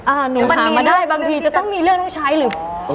หนูมันมีมาได้บางทีจะต้องมีเรื่องต้องใช้หรือ